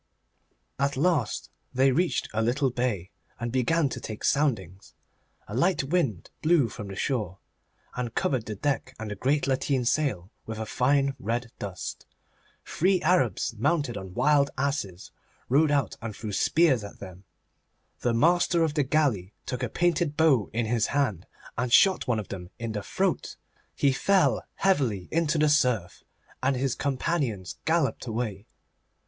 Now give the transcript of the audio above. At last they reached a little bay, and began to take soundings. A light wind blew from the shore, and covered the deck and the great lateen sail with a fine red dust. Three Arabs mounted on wild asses rode out and threw spears at them. The master of the galley took a painted bow in his hand and shot one of them in the throat. He fell heavily into the surf, and his companions galloped away.